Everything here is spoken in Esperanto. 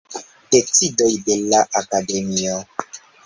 Decidoj de la Akademio.